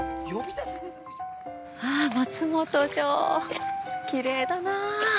◆松本城、きれいだなあ。